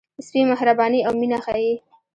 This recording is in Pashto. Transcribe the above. سپي مهرباني او مینه ښيي.